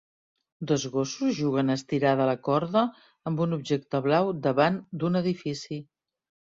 Dos gossos juguen a estirar de la corda amb un objecte blau davant d'un edifici